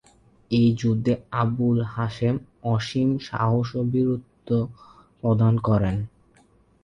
এই যুদ্ধে আবুল হাসেম অসীম সাহস ও বীরত্ব প্রদর্শন করেন।